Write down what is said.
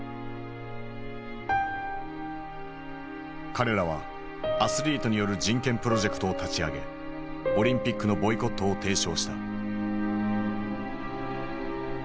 彼らはアスリートによる人権プロジェクトを立ち上げオリンピックのボイコットを提唱した。